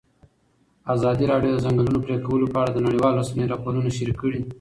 ازادي راډیو د د ځنګلونو پرېکول په اړه د نړیوالو رسنیو راپورونه شریک کړي.